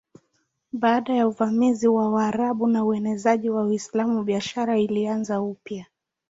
Baada ya uvamizi wa Waarabu na uenezaji wa Uislamu biashara ilianza upya.